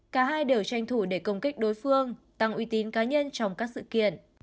cả hai đều tranh thủ để công kích đối phương tăng uy tín cá nhân trong các sự kiện